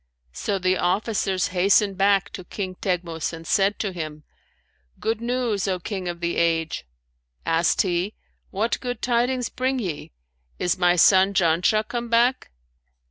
So the officers hastened back to King Teghmus and said to him, 'Good news, O King of the age!' Asked he, 'What good tidings bring ye: is my son Janshah come back?'